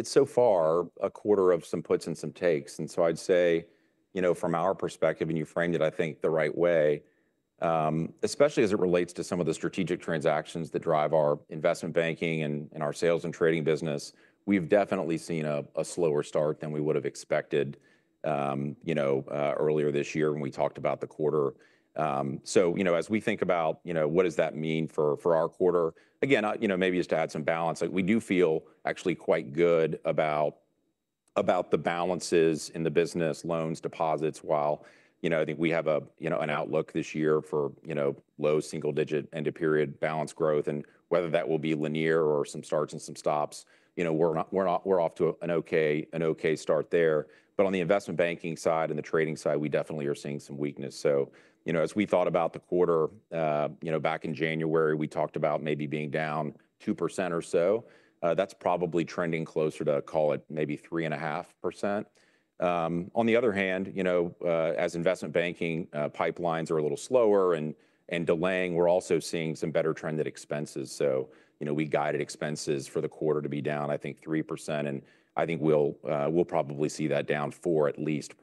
It's so far a quarter of some puts and some takes, and so I'd say, you know, from our perspective, and you framed it, I think, the right way, especially as it relates to some of the strategic transactions that drive our investment banking and our sales and trading business, we've definitely seen a slower start than we would have expected, you know, earlier this year when we talked about the quarter, so you know, as we think about, you know, what does that mean for our quarter? Again, you know, maybe just to add some balance, like we do feel actually quite good about the balances in the business, loans, deposits, while, you know, I think we have, you know, an outlook this year for, you know, low single-digit end-of-period balance growth. Whether that will be linear or some starts and some stops, you know, we're not off to an okay start there, but on the investment banking side and the trading side, we definitely are seeing some weakness, so you know, as we thought about the quarter, you know, back in January, we talked about maybe being down 2% or so. That's probably trending closer to, call it maybe 3.5%. On the other hand, you know, as investment banking pipelines are a little slower and delaying, we're also seeing some better trend at expenses, so you know, we guided expenses for the quarter to be down, I think, 3%. And I think we'll probably see that down 4% at least,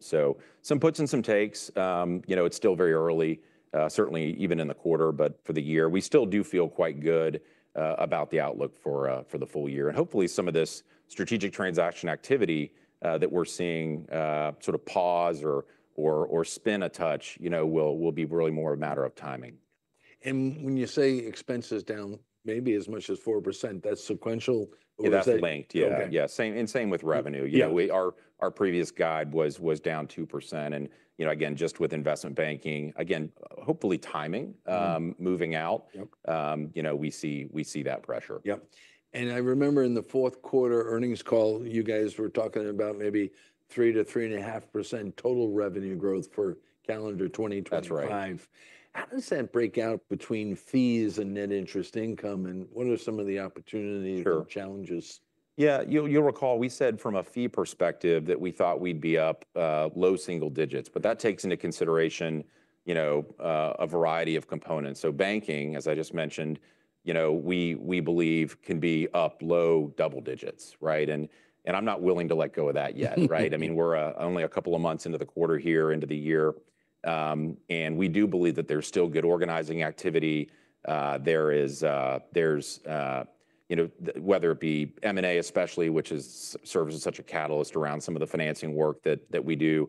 so some puts and some takes. You know, it's still very early, certainly even in the quarter, but for the year, we still do feel quite good about the outlook for the full year. And hopefully some of this strategic transaction activity that we're seeing sort of pause or spin a touch, you know, will be really more a matter of timing. When you say expenses down maybe as much as 4%, that's sequential or is that? That's linked. Yeah. Yeah. Same, and same with revenue. You know, our previous guide was down 2%. And, you know, again, just with investment banking, again, hopefully timing moving out. You know, we see that pressure. Yep. And I remember in the fourth quarter earnings call, you guys were talking about maybe 3%-3.5% total revenue growth for calendar 2025. That's right. How does that break out between fees and net interest income? And what are some of the opportunities or challenges? Sure. Yeah. You'll, you'll recall we said from a fee perspective that we thought we'd be up low single digits, but that takes into consideration, you know, a variety of components. So banking, as I just mentioned, you know, we, we believe can be up low double digits, right? And, and I'm not willing to let go of that yet, right? I mean, we're only a couple of months into the quarter here, into the year. And we do believe that there's still good origination activity. There is, there's, you know, whether it be M&A especially, which is, serves as such a catalyst around some of the financing work that, that we do.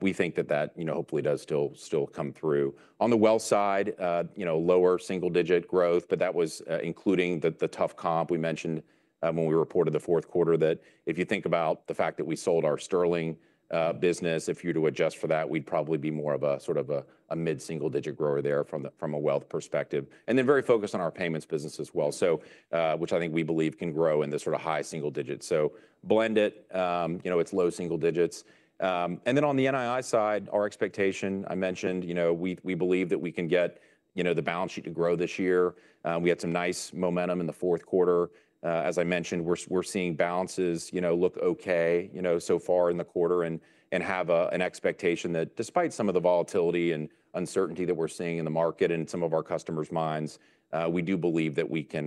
We think that that, you know, hopefully does still, still come through. On the wealth side, you know, lower single-digit growth, but that was including the tough comp we mentioned when we reported the fourth quarter that if you think about the fact that we sold our Sterling business, if you were to adjust for that, we'd probably be more of a sort of a mid-single-digit grower there from a wealth perspective. And then very focused on our payments business as well. So which I think we believe can grow in this sort of high single digits. So blend it, you know, it's low single digits. And then on the NII side, our expectation, I mentioned, you know, we believe that we can get, you know, the balance sheet to grow this year. We had some nice momentum in the fourth quarter. As I mentioned, we're seeing balances, you know, look okay, you know, so far in the quarter and have an expectation that despite some of the volatility and uncertainty that we're seeing in the market and in some of our customers' minds, we do believe that we can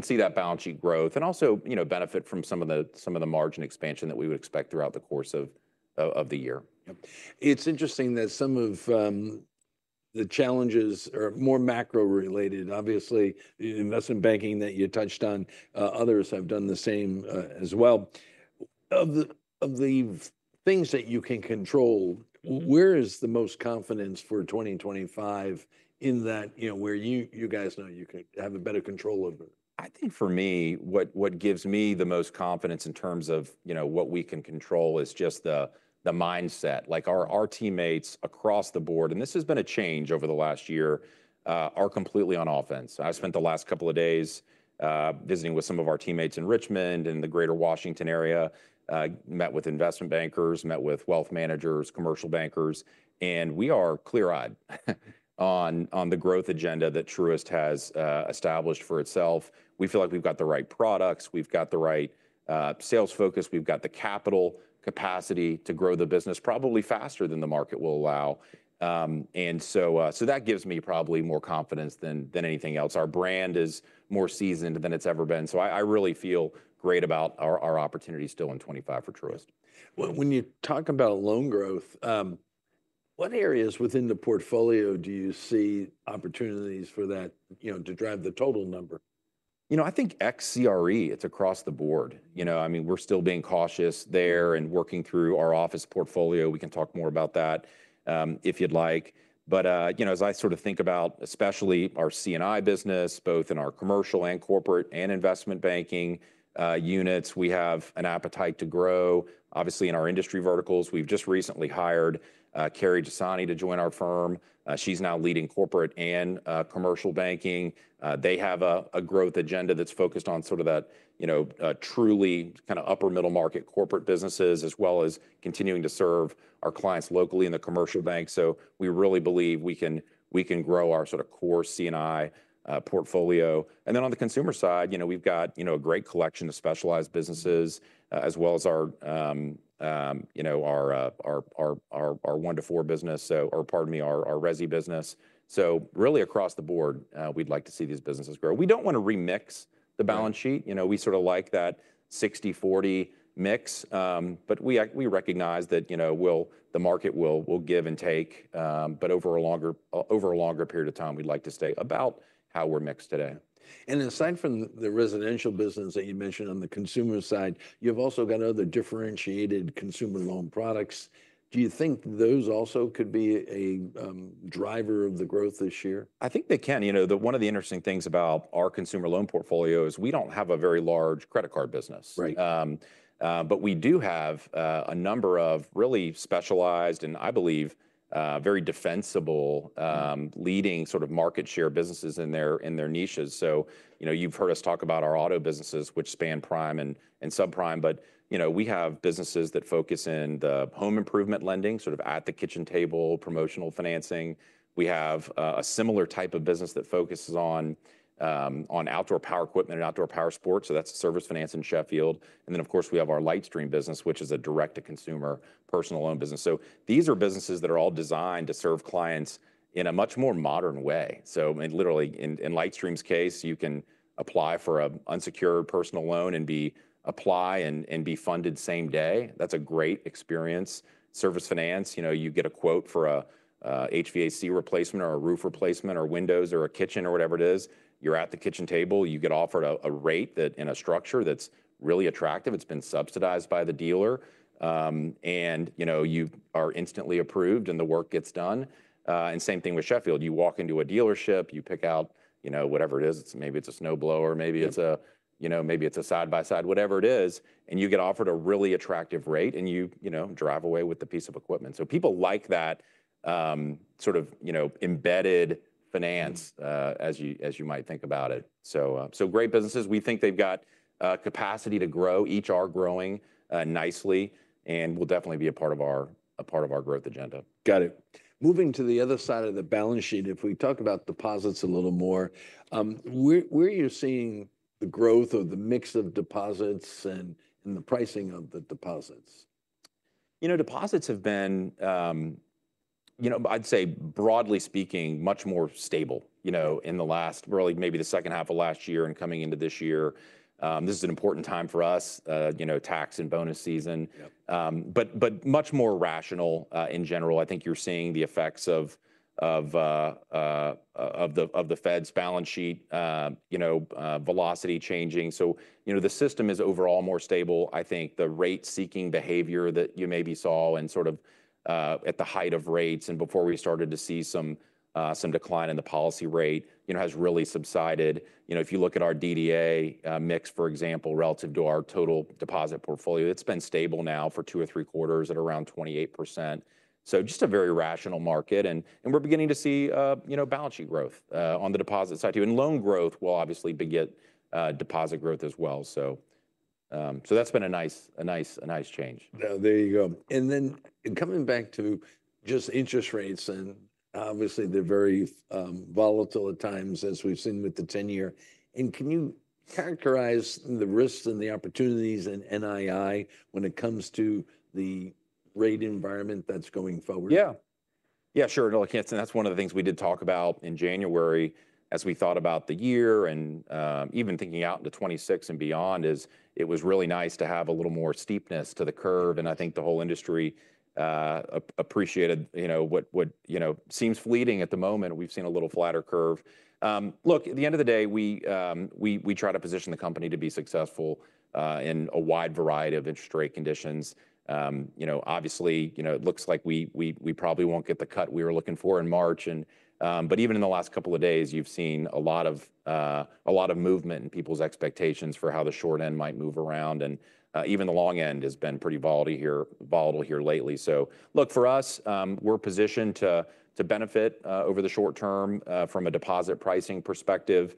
see that balance sheet growth and also, you know, benefit from some of the margin expansion that we would expect throughout the course of the year. Yep. It's interesting that some of the challenges are more macro related, obviously investment banking that you touched on, others have done the same, as well. Of the things that you can control, where is the most confidence for 2025 in that, you know, where you guys know you can have a better control of it? I think for me, what gives me the most confidence in terms of, you know, what we can control is just the mindset. Like our teammates across the board, and this has been a change over the last year, are completely on offense. I spent the last couple of days visiting with some of our teammates in Richmond and the Greater Washington area, met with investment bankers, met with wealth managers, commercial bankers, and we are clear-eyed on the growth agenda that Truist has established for itself. We feel like we've got the right products, we've got the right sales focus, we've got the capital capacity to grow the business probably faster than the market will allow. So that gives me probably more confidence than anything else. Our brand is more seasoned than it's ever been. So I really feel great about our opportunity still in 2025 for Truist. When you talk about loan growth, what areas within the portfolio do you see opportunities for that, you know, to drive the total number? You know, I think CRE, it's across the board, you know, I mean, we're still being cautious there and working through our office portfolio. We can talk more about that, if you'd like. But, you know, as I sort of think about especially our C&I business, both in our commercial and corporate and investment banking units, we have an appetite to grow. Obviously in our industry verticals, we've just recently hired Kerry Jessani to join our firm. She's now leading Corporate and Commercial Banking. They have a growth agenda that's focused on sort of that, you know, truly kind of upper middle market corporate businesses as well as continuing to serve our clients locally in the commercial bank. So we really believe we can grow our sort of core C&I portfolio. And then on the consumer side, you know, we've got you know a great collection of specialized businesses, as well as our you know our one to four business, so or pardon me our resi business. So really across the board, we'd like to see these businesses grow. We don't want to remix the balance sheet. You know, we sort of like that 60/40 mix. But we recognize that you know the market will give and take. But over a longer period of time, we'd like to stay about how we're mixed today. Aside from the residential business that you mentioned on the consumer side, you've also got other differentiated consumer loan products. Do you think those also could be a driver of the growth this year? I think they can. You know, one of the interesting things about our consumer loan portfolio is we don't have a very large credit card business. Right. But we do have a number of really specialized and I believe very defensible leading sort of market share businesses in their niches. So you know you've heard us talk about our auto businesses which span prime and subprime. But you know we have businesses that focus in the home improvement lending sort of at the kitchen table promotional financing. We have a similar type of business that focuses on outdoor power equipment and outdoor powersports. So that's Service Finance and Sheffield. And then of course we have our LightStream business which is a direct-to-consumer personal loan business. So these are businesses that are all designed to serve clients in a much more modern way. So I mean literally in LightStream's case you can apply for an unsecured personal loan and apply and be funded same day. That's a great experience. Service Finance, you know, you get a quote for a HVAC replacement or a roof replacement or windows or a kitchen or whatever it is. You're at the kitchen table, you get offered a rate that in a structure that's really attractive. It's been subsidized by the dealer. And you know, you are instantly approved and the work gets done. And same thing with Sheffield. You walk into a dealership, you pick out, you know, whatever it is. It's maybe a snowblower, maybe it's a side by side, whatever it is, and you get offered a really attractive rate and you know, drive away with the piece of equipment. So people like that, sort of, you know, embedded finance, as you might think about it. So great businesses. We think they've got capacity to grow. Each are growing nicely and will definitely be a part of our growth agenda. Got it. Moving to the other side of the balance sheet, if we talk about deposits a little more, where are you seeing the growth of the mix of deposits and the pricing of the deposits? You know, deposits have been, you know, I'd say broadly speaking, much more stable, you know, in the last, really maybe the second half of last year and coming into this year. This is an important time for us, you know, tax and bonus season, but much more rational, in general. I think you're seeing the effects of the Fed's balance sheet, you know, velocity changing, so you know, the system is overall more stable. I think the rate seeking behavior that you maybe saw and sort of at the height of rates and before we started to see some decline in the policy rate, you know, has really subsided. You know, if you look at our DDA mix, for example, relative to our total deposit portfolio, it's been stable now for two or three quarters at around 28%. So just a very rational market. And we're beginning to see, you know, balance sheet growth on the deposit side too. And loan growth will obviously begin, deposit growth as well. So that's been a nice change. Now there you go. And then coming back to just interest rates and obviously they're very volatile at times as we've seen with the 10-year. And can you characterize the risks and the opportunities in NII when it comes to the rate environment that's going forward? Yeah. Yeah, sure. No, I can't. And that's one of the things we did talk about in January as we thought about the year and, even thinking out into 2026 and beyond, is it was really nice to have a little more steepness to the curve. And I think the whole industry appreciated, you know, what you know seems fleeting at the moment. We've seen a little flatter curve. Look, at the end of the day, we try to position the company to be successful in a wide variety of interest rate conditions. You know, obviously, you know, it looks like we probably won't get the cut we were looking for in March. And, but even in the last couple of days, you've seen a lot of movement in people's expectations for how the short end might move around. Even the long end has been pretty volatile here, volatile here lately. So look, for us, we're positioned to benefit over the short term from a deposit pricing perspective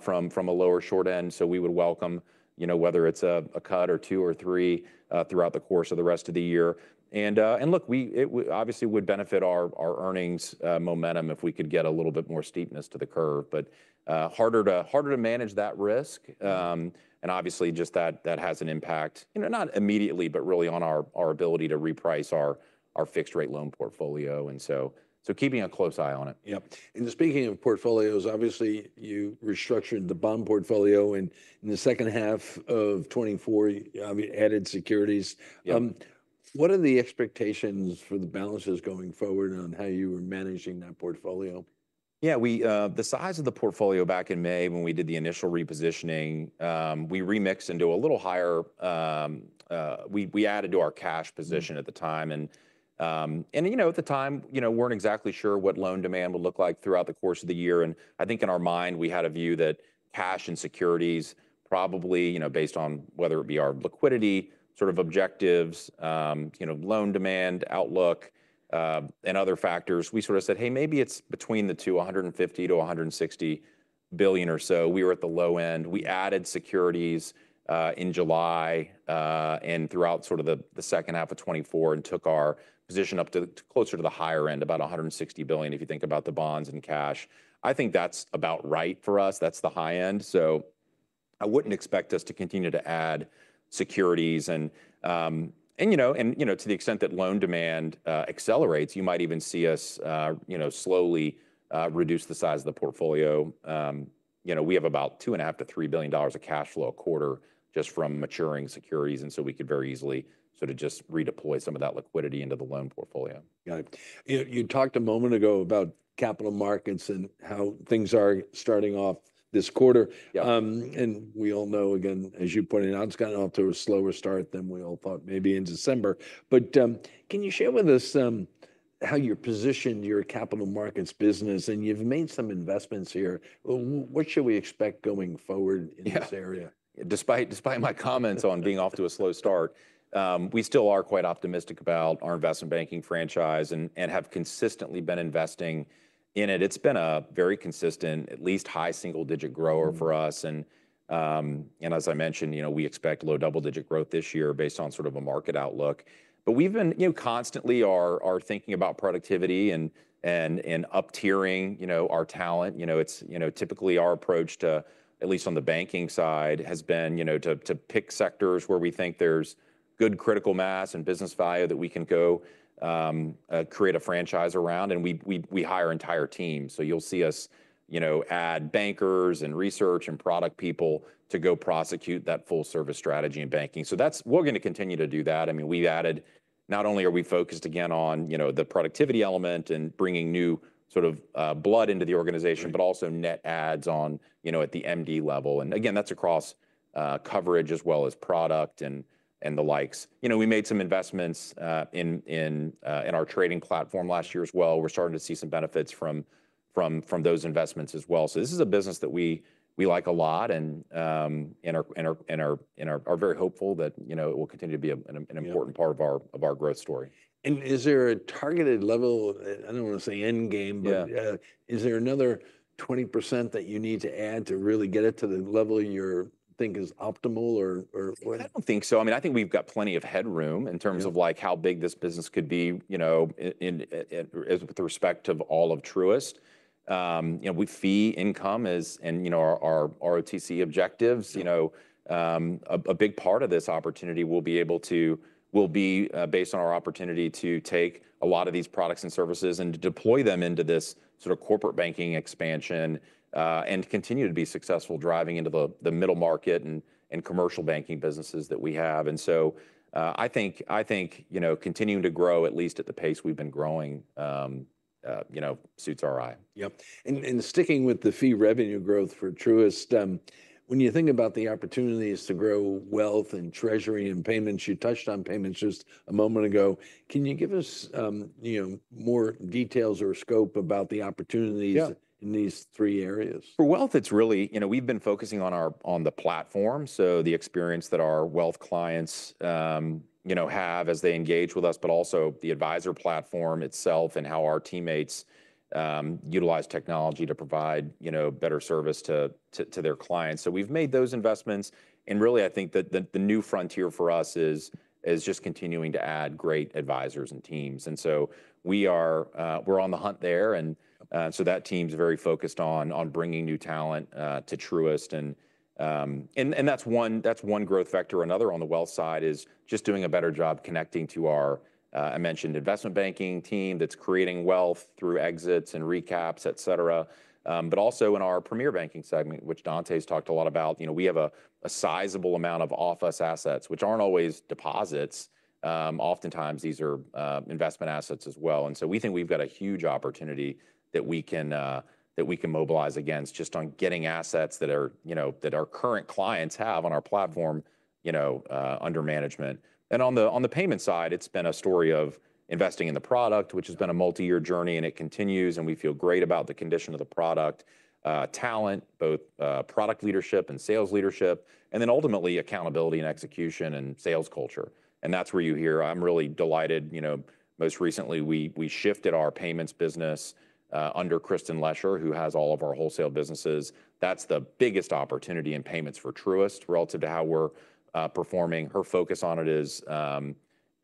from a lower short end. So we would welcome, you know, whether it's a cut or two or three throughout the course of the rest of the year. Look, it would obviously benefit our earnings momentum if we could get a little bit more steepness to the curve, but harder to manage that risk. Obviously just that has an impact, you know, not immediately, but really on our ability to reprice our fixed rate loan portfolio. So keeping a close eye on it. Yep. And speaking of portfolios, obviously you restructured the bond portfolio and in the second half of 2024, added securities. What are the expectations for the balances going forward on how you were managing that portfolio? Yeah, the size of the portfolio back in May when we did the initial repositioning, we remixed into a little higher, we added to our cash position at the time. And you know, at the time, you know, we weren't exactly sure what loan demand would look like throughout the course of the year. And I think in our mind, we had a view that cash and securities probably, you know, based on whether it be our liquidity sort of objectives, you know, loan demand outlook, and other factors, we sort of said, hey, maybe it's between the two, $150 billion-$160 billion or so. We were at the low end. We added securities in July, and throughout sort of the second half of 2024 and took our position up to closer to the higher end, about $160 billion. If you think about the bonds and cash, I think that's about right for us. That's the high end. So I wouldn't expect us to continue to add securities. And you know, to the extent that loan demand accelerates, you might even see us, you know, slowly reduce the size of the portfolio. You know, we have about $2.5 billion-$3 billion of cash flow a quarter just from maturing securities. And so we could very easily sort of just redeploy some of that liquidity into the loan portfolio. Got it. You talked a moment ago about capital markets and how things are starting off this quarter, and we all know again, as you pointed out, it's gotten off to a slower start than we all thought maybe in December. But can you share with us how you've positioned your capital markets business and you've made some investments here? What should we expect going forward in this area? Yeah, despite my comments on being off to a slow start, we still are quite optimistic about our investment banking franchise and have consistently been investing in it. It's been a very consistent, at least high single digit grower for us. And as I mentioned, you know, we expect low double digit growth this year based on sort of a market outlook. But we've been, you know, constantly are thinking about productivity and uptiering, you know, our talent. You know, it's, you know, typically our approach to, at least on the banking side has been, you know, to pick sectors where we think there's good critical mass and business value that we can go, create a franchise around. And we hire entire teams. So you'll see us, you know, add bankers and research and product people to go prosecute that full service strategy in banking. So that's. We're going to continue to do that. I mean, we've added. Not only are we focused again on, you know, the productivity element and bringing new sort of blood into the organization, but also net adds on, you know, at the MD level. And again, that's across coverage as well as product and the likes. You know, we made some investments in our trading platform last year as well. We're starting to see some benefits from those investments as well. So this is a business that we like a lot and we are very hopeful that, you know, it will continue to be an important part of our growth story. Is there a targeted level? I don't want to say end game, but is there another 20% that you need to add to really get it to the level you think is optimal or what? I don't think so. I mean, I think we've got plenty of headroom in terms of like how big this business could be, you know, in as with respect to all of Truist. You know, our fee income is, and you know, our ROTCE objectives, you know. A big part of this opportunity will be based on our opportunity to take a lot of these products and services and to deploy them into this sort of corporate banking expansion, and continue to be successful driving into the middle market and commercial banking businesses that we have, and so I think, you know, continuing to grow at least at the pace we've been growing, you know, suits our eye. Yep. And sticking with the fee revenue growth for Truist, when you think about the opportunities to grow wealth and treasury and payments, you touched on payments just a moment ago. Can you give us, you know, more details or scope about the opportunities in these three areas? For wealth, it's really, you know, we've been focusing on our platform, so the experience that our wealth clients, you know, have as they engage with us, but also the advisor platform itself and how our teammates utilize technology to provide, you know, better service to their clients, so we've made those investments, and really, I think that the new frontier for us is just continuing to add great advisors and teams, and so we're on the hunt there, and so that team's very focused on bringing new talent to Truist, and that's one growth vector. Another on the wealth side is just doing a better job connecting to our, I mentioned investment banking team that's creating wealth through exits and recaps, et cetera. But also in our Premier Banking segment, which Dontá's talked a lot about, you know, we have a sizable amount of office assets, which aren't always deposits. Oftentimes these are investment assets as well. And so we think we've got a huge opportunity that we can mobilize against just on getting assets that are, you know, that our current clients have on our platform, you know, under management. And on the payment side, it's been a story of investing in the product, which has been a multi-year journey and it continues and we feel great about the condition of the product, talent, both product leadership and sales leadership, and then ultimately accountability and execution and sales culture. That's where you hear, I'm really delighted, you know. Most recently we shifted our payments business under Kristin Lesher, who has all of our wholesale businesses. That's the biggest opportunity in payments for Truist relative to how we're performing. Her focus on it is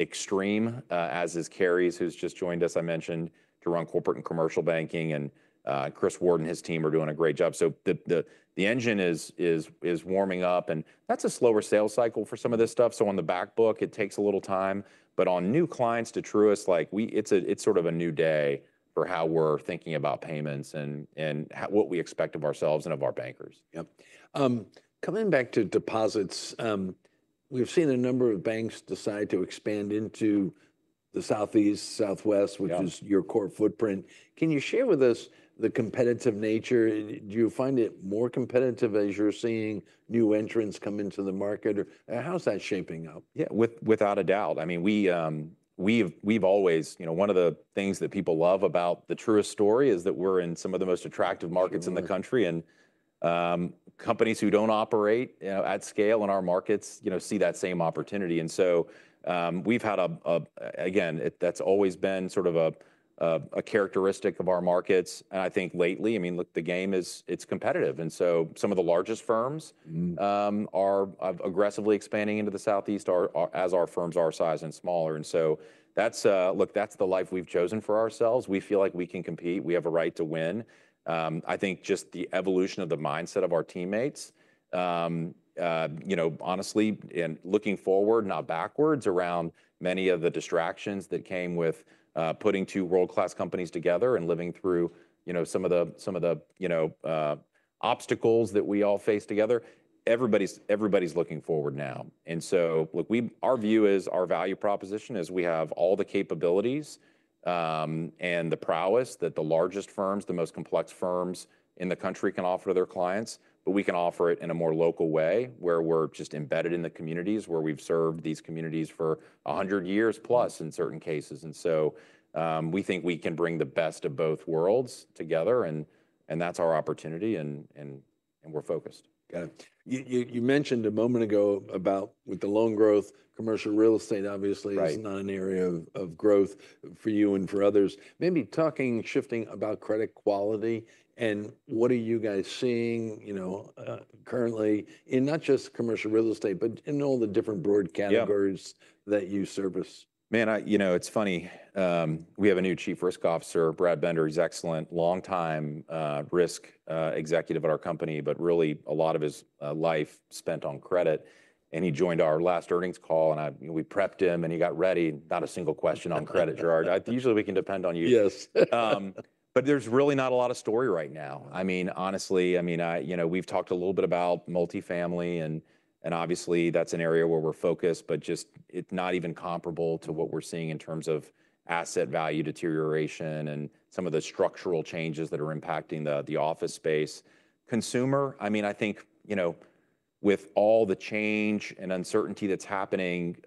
extreme, as is Kerry's, who's just joined us. I mentioned to run Corporate and Commercial Banking and Chris Ward and his team are doing a great job. So the engine is warming up and that's a slower sales cycle for some of this stuff. So on the backbook, it takes a little time, but on new clients to Truist, it's a, it's sort of a new day for how we're thinking about payments and how what we expect of ourselves and of our bankers. Yep. Coming back to deposits, we've seen a number of banks decide to expand into the Southeast, Southwest, which is your core footprint. Can you share with us the competitive nature? Do you find it more competitive as you're seeing new entrants come into the market? Or how's that shaping up? Yeah, without a doubt. I mean, we've always, you know, one of the things that people love about the Truist story is that we're in some of the most attractive markets in the country. And companies who don't operate, you know, at scale in our markets, you know, see that same opportunity. And so we've had that. Again, that's always been sort of a characteristic of our markets. And I think lately, I mean, look, the game is, it's competitive. And so some of the largest firms are aggressively expanding into the Southeast as our firms are sized and smaller. And so that's, look, that's the life we've chosen for ourselves. We feel like we can compete. We have a right to win. I think just the evolution of the mindset of our teammates, you know, honestly and looking forward, not backwards around many of the distractions that came with putting two world-class companies together and living through, you know, some of the obstacles that we all face together. Everybody's looking forward now, and so look, our view is our value proposition is we have all the capabilities and the prowess that the largest firms, the most complex firms in the country can offer to their clients, but we can offer it in a more local way where we're just embedded in the communities where we've served these communities for 100 years+ in certain cases, and so we think we can bring the best of both worlds together and we're focused. Got it. You mentioned a moment ago about with the loan growth, commercial real estate obviously is not an area of growth for you and for others. Maybe talking, shifting about credit quality and what are you guys seeing, you know, currently in not just commercial real estate, but in all the different broad categories that you service? Man, I, you know, it's funny. We have a new Chief Risk Officer, Brad Bender. He's excellent, long-time risk executive at our company, but really a lot of his life spent on credit. And he joined our last earnings call and I, you know, we prepped him and he got ready, not a single question on credit, Gerard. I usually, we can depend on you. Yes. But there's really not a lot of story right now. I mean, honestly, I mean, I, you know, we've talked a little bit about multifamily and, and obviously that's an area where we're focused, but just it's not even comparable to what we're seeing in terms of asset value deterioration and some of the structural changes that are impacting the office space. Consumer, I mean, I think, you know, with all the change and uncertainty that's happening,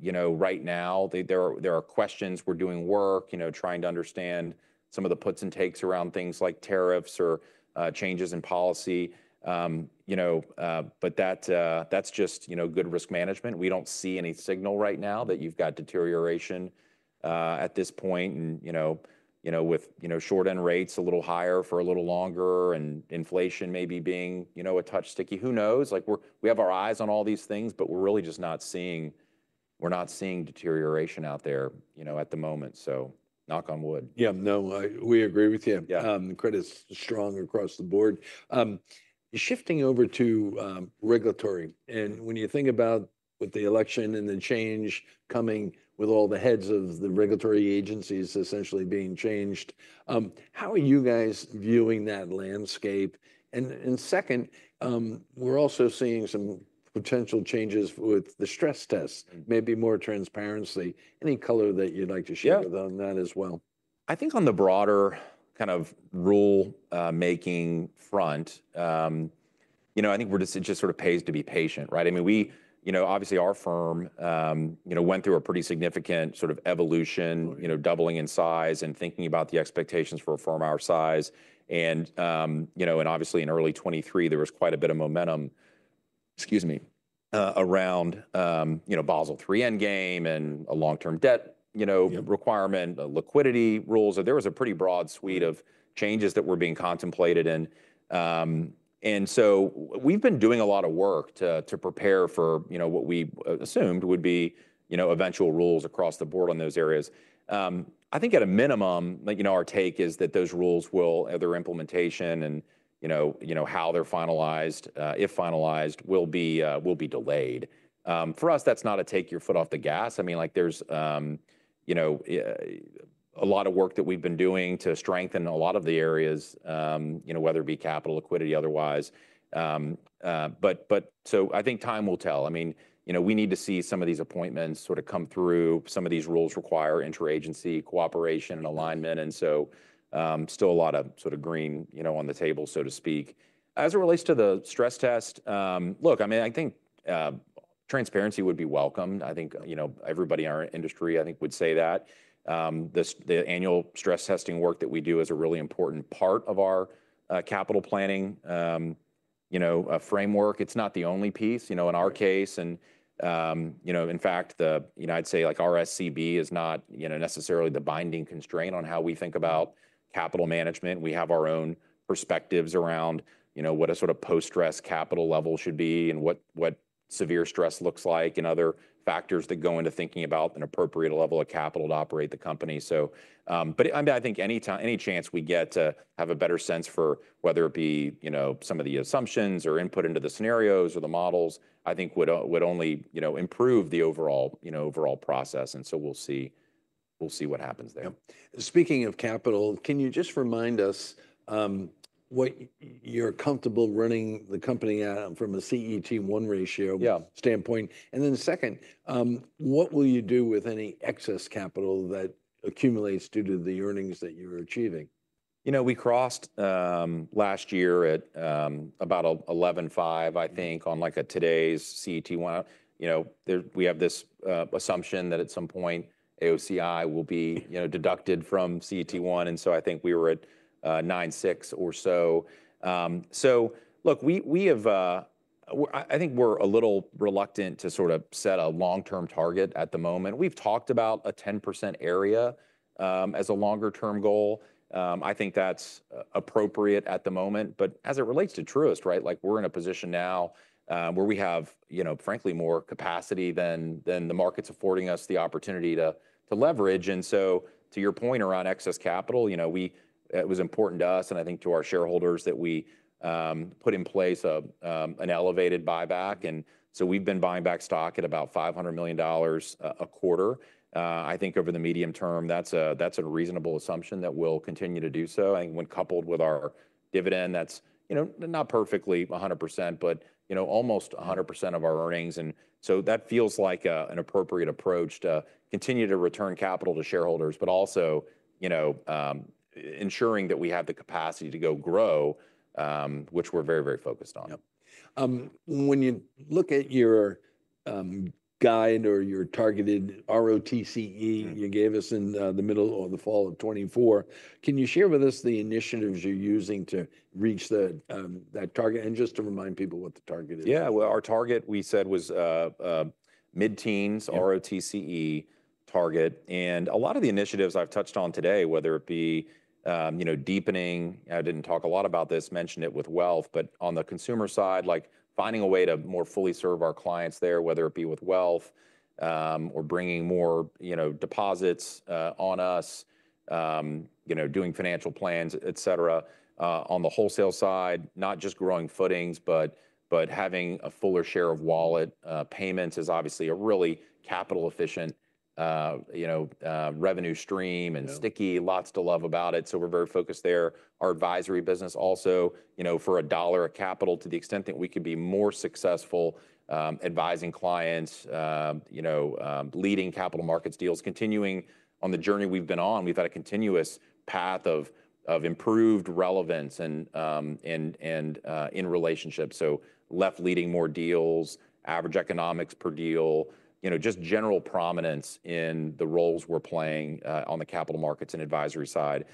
you know, right now, there are questions. We're doing work, you know, trying to understand some of the puts and takes around things like tariffs or changes in policy. You know, but that, that's just, you know, good risk management. We don't see any signal right now that you've got deterioration at this point. You know, with short end rates a little higher for a little longer and inflation maybe being a touch sticky, who knows? Like we're, we have our eyes on all these things, but we're really just not seeing deterioration out there, you know, at the moment. Knock on wood. Yeah. No, we agree with you. The credit's strong across the board. Shifting over to regulatory. And when you think about with the election and the change coming with all the heads of the regulatory agencies essentially being changed, how are you guys viewing that landscape? And second, we're also seeing some potential changes with the stress test, maybe more transparency. Any color that you'd like to share with on that as well? I think on the broader kind of rule-making front, you know, I think we're just, it just sort of pays to be patient, right? I mean, we, you know, obviously our firm, you know, went through a pretty significant sort of evolution, you know, doubling in size and thinking about the expectations for a firm our size. And, you know, and obviously in early 2023, there was quite a bit of momentum, excuse me, around, you know, Basel III Endgame and a long-term debt, you know, requirement, liquidity rules. There was a pretty broad suite of changes that were being contemplated. And so we've been doing a lot of work to prepare for, you know, what we assumed would be, you know, eventual rules across the board on those areas. I think at a minimum, you know, our take is that those rules will, their implementation and, you know, how they're finalized, if finalized, will be delayed. For us, that's not a take your foot off the gas. I mean, like there's, you know, a lot of work that we've been doing to strengthen a lot of the areas, you know, whether it be capital, liquidity, otherwise. So I think time will tell. I mean, you know, we need to see some of these appointments sort of come through. Some of these rules require interagency cooperation and alignment. So still a lot of sort of green, you know, on the table, so to speak. As it relates to the stress test, look, I mean, I think, transparency would be welcome. I think, you know, everybody in our industry, I think would say that, the annual stress testing work that we do is a really important part of our capital planning, you know, framework. It's not the only piece, you know, in our case, and you know, in fact, you know, I'd say like our SCB is not, you know, necessarily the binding constraint on how we think about capital management. We have our own perspectives around, you know, what a sort of post-stress capital level should be and what severe stress looks like and other factors that go into thinking about an appropriate level of capital to operate the company. But I mean, I think anytime, any chance we get to have a better sense for whether it be, you know, some of the assumptions or input into the scenarios or the models, I think would only, you know, improve the overall, you know, overall process. And so we'll see, we'll see what happens there. Speaking of capital, can you just remind us what you're comfortable running the company at from a CET1 ratio standpoint? And then second, what will you do with any excess capital that accumulates due to the earnings that you're achieving? You know, we crossed last year at about 11.5%, I think on like a today's CET1. You know, there we have this assumption that at some point AOCI will be, you know, deducted from CET1. And so I think we were at 9.6% or so. So look, we have. I think we're a little reluctant to sort of set a long-term target at the moment. We've talked about a 10% area as a longer-term goal. I think that's appropriate at the moment, but as it relates to Truist, right? Like we're in a position now where we have, you know, frankly, more capacity than the market's affording us the opportunity to leverage. And so to your point around excess capital, you know, it was important to us and I think to our shareholders that we put in place an elevated buyback. And so we've been buying back stock at about $500 million a quarter. I think over the medium term, that's a reasonable assumption that we'll continue to do so. I think when coupled with our dividend, that's, you know, not perfectly 100%, but, you know, almost 100% of our earnings. And so that feels like an appropriate approach to continue to return capital to shareholders, but also, you know, ensuring that we have the capacity to go grow, which we're very, very focused on. Yep. When you look at your guide or your targeted ROTCE you gave us in the middle of the fall of 2024, can you share with us the initiatives you're using to reach that target and just to remind people what the target is? Yeah, well, our target we said was mid-teens ROTCE target. And a lot of the initiatives I've touched on today, whether it be, you know, deepening. I didn't talk a lot about this, mentioned it with wealth, but on the consumer side, like finding a way to more fully serve our clients there, whether it be with wealth, or bringing more, you know, deposits on us, you know, doing financial plans, et cetera. On the wholesale side, not just growing footings, but having a fuller share of wallet. Payments is obviously a really capital efficient, you know, revenue stream and sticky, lots to love about it. So we're very focused there. Our advisory business also, you know, for a dollar of capital to the extent that we could be more successful, advising clients, you know, leading capital markets deals, continuing on the journey we've been on. We've had a continuous path of improved relevance and in relationship, so leading more deals, average economics per deal, you know, just general prominence in the roles we're playing on the capital markets and advisory side,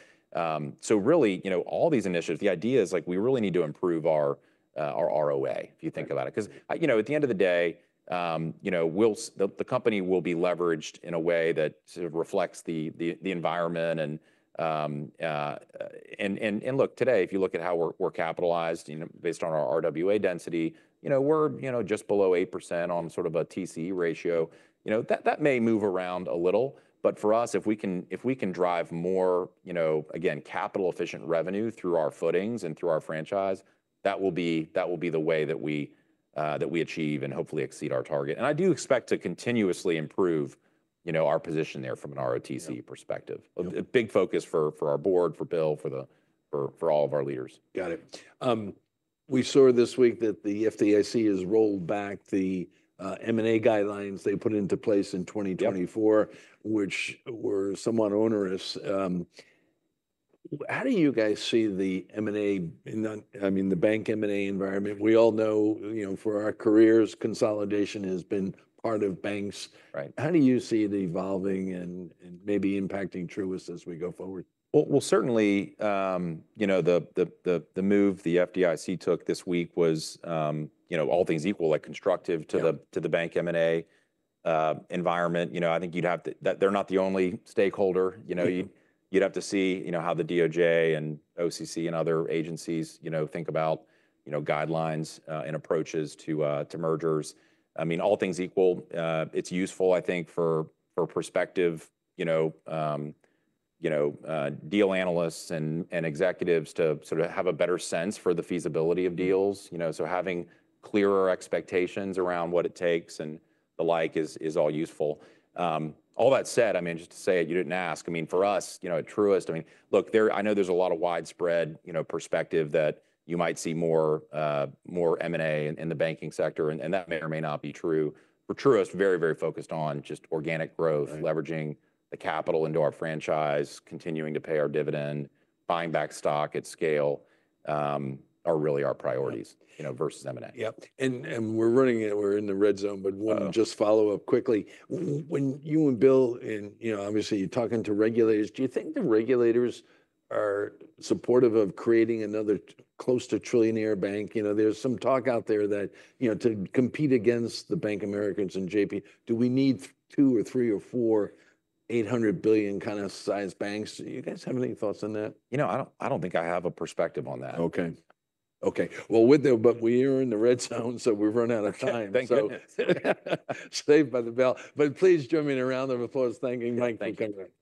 so really, you know, all these initiatives, the idea is like we really need to improve our ROA if you think about it. 'Cause I, you know, at the end of the day, you know, we'll, the company will be leveraged in a way that sort of reflects the environment and look, today, if you look at how we're capitalized, you know, based on our RWA density, you know, we're just below 8% on sort of a TCE ratio, you know, that may move around a little, but for us, if we can drive more, you know, again, capital efficient revenue through our footings and through our franchise, that will be the way that we achieve and hopefully exceed our target. And I do expect to continuously improve, you know, our position there from an ROTCE perspective. A big focus for our board, for Bill, for all of our leaders. Got it. We saw this week that the FDIC has rolled back the M&A guidelines they put into place in 2024, which were somewhat onerous. How do you guys see the M&A in the, I mean, the bank M&A environment? We all know, you know, for our careers, consolidation has been part of banks. How do you see it evolving and maybe impacting Truist as we go forward? Certainly, you know, the move the FDIC took this week was, you know, all things equal, like constructive to the bank M&A environment. You know, I think you'd have to that they're not the only stakeholder, you know, you'd have to see, you know, how the DOJ and OCC and other agencies, you know, think about, you know, guidelines and approaches to mergers. I mean, all things equal, it's useful, I think for perspective, you know, deal analysts and executives to sort of have a better sense for the feasibility of deals, you know, so having clearer expectations around what it takes and the like is all useful. All that said, I mean, just to say it, you didn't ask. I mean, for us, you know, at Truist, I mean, look, there, I know there's a lot of widespread, you know, perspective that you might see more M&A in the banking sector and that may or may not be true for Truist. Very, very focused on just organic growth, leveraging the capital into our franchise, continuing to pay our dividend, buying back stock at scale, are really our priorities, you know, versus M&A. Yep. And we're running. We're in the red zone, but one just follow up quickly. When you and Bill, you know, obviously you're talking to regulators, do you think the regulators are supportive of creating another close to trillionaire bank? You know, there's some talk out there that, you know, to compete against the Bank of America and JP, do we need two or three or four 800 billion kind of sized banks? Do you guys have any thoughts on that? You know, I don't think I have a perspective on that. Okay. Well, but we are in the red zone, so we've run out of time. Thank you. So, saved by the bell. But please join me in a round of applause. Thank you, Mike. Thank you.